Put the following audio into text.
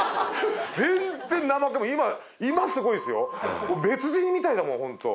全然怠け者今すごいですよ別人みたいだもん本当。